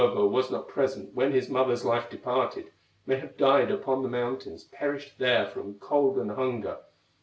Kullervo was not present When his mother's life departed; May have died upon the mountains, Perished there from cold and hunger.